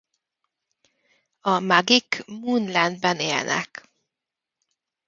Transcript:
A Magi-k Moonland-ben élnek.